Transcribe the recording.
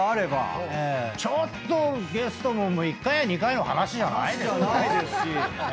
ちょっとゲストも１回や２回の話じゃないですよ。